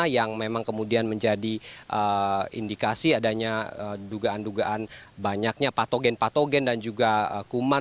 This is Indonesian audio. yang memang kemudian menjadi indikasi adanya dugaan dugaan banyaknya patogen patogen dan juga kuman